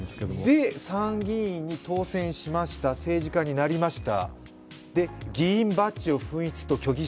で、参議院に当選しました政治家になりました。